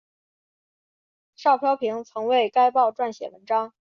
邵飘萍曾为该报撰写文章。